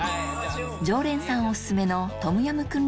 常連さんオススメのトムヤムクン